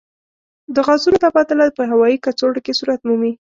د غازونو تبادله په هوايي کڅوړو کې صورت مومي.